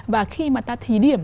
và khi mà ta thí điểm